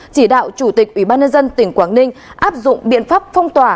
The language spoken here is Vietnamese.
chỉ đạo chủ tịch ủy ban nhân dân tỉnh quảng ninh áp dụng biện pháp phong tỏa